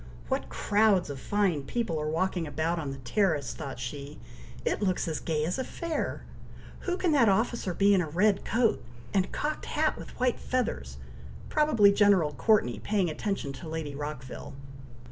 "What crowds of fine people are walking about on the terrace!" thought she. "It looks as gay as a fair! Who can that officer be in a red coat, and cocked hat with white feathers. Probably General Courteney paying attention to Lady Rockville.